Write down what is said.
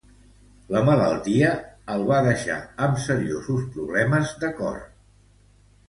La malaltia el va deixar amb seriosos problemes de cor.